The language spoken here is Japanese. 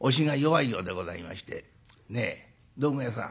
「ねえ道具屋さん」。